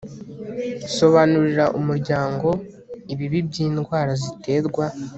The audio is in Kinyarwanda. sobanurira umuryango ibibi by'indwara ziterwa